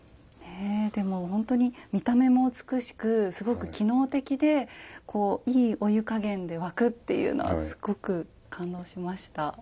でも本当に見た目も美しくすごく機能的でいいお湯加減で沸くっていうのはすごく感動しました。